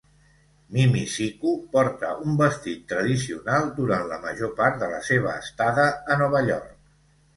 Mimi-Siku porta un vestit tradicional durant la major part de la seva estada a Nova York.